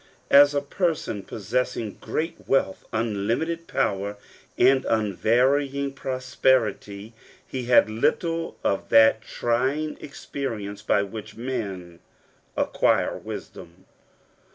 As a person possess ing great wealth, unlimited power, and unvarying prosperity, he had little of that trying experience by which men acquire wisdom.